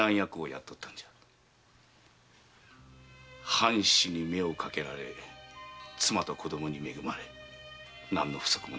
藩主に目をかけられ妻と子供に恵まれ何の不足もなかった。